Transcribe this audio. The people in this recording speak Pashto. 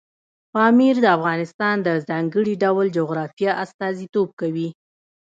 پامیر د افغانستان د ځانګړي ډول جغرافیه استازیتوب کوي.